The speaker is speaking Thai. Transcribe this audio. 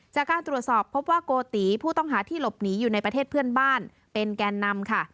จากการตรวจสอบพบว่าโกติผู้ต้องหาที่หลบหนีอยู่ในประเทศเพื่อนบ้านเป็นแกนนำค่ะ